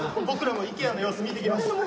僕らも池やんの様子見てきます。